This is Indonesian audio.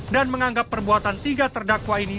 dan menganggap perbuatan tiga terdakwa ini